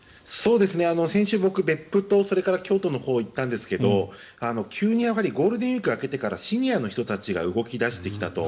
先週、僕、別府と京都のほうに行ったんですが急にゴールデンウィーク明けてからシニアの人たちが動き出してきたと。